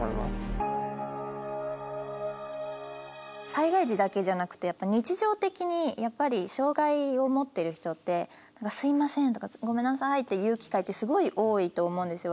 災害時だけじゃなくて日常的にやっぱり障害をもってる人ってすいませんとかごめんなさいって言う機会ってすごい多いと思うんですよ。